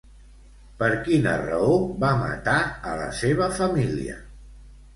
Per quina raó va matar a la seva família?